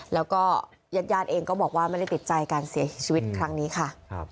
แล้วก็ญาติญาติเองก็บอกว่าไม่ได้ติดใจการเสียชีวิตครั้งนี้ค่ะ